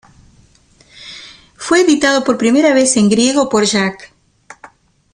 Fue editado por primera vez en griego por Jac.